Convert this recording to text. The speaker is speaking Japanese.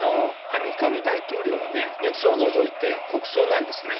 アメリカの大統領は、ニクソンを除いて国葬なんですね。